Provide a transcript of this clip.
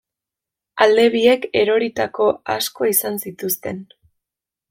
Alde biek eroritako asko izan zituzten.